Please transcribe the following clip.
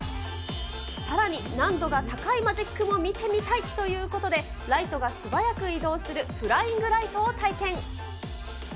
さらに、難度が高いマジックも見てみたいということで、ライトが素早く移動するフライングライトを体験。